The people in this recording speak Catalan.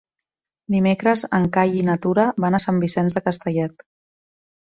Dimecres en Cai i na Tura van a Sant Vicenç de Castellet.